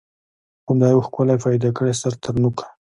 خدای وو ښکلی پیدا کړی سر تر نوکه